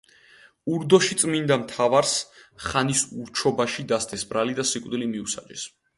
ურდოში წმინდა მთავარს ხანის ურჩობაში დასდეს ბრალი და სიკვდილი მიუსაჯეს.